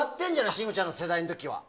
信五ちゃんの世代の時は。